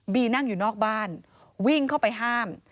นั่งอยู่นอกบ้านวิ่งเข้าไปห้าม